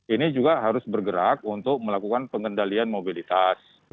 ini juga harus bergerak untuk melakukan pengendalian mobilitas